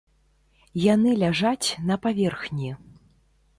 Яны ляжаць на паверхні.